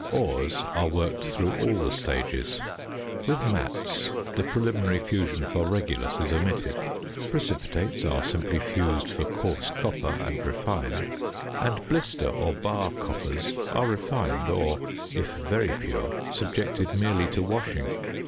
Ores are worked through all the stages; with mattes, the preliminary fusion for regulus is omitted; precipitates are simply fused for coarse copper, and refined; and blister or bar coppers are refined, or, if very pure, subjected merely to washing.